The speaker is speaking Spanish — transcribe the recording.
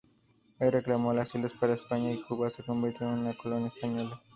Él reclamó las islas para España y Cuba se convirtió en una colonia española.